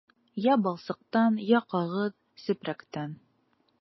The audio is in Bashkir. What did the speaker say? Йә балсыҡтан, йә ҡағыҙ, сепрәктән.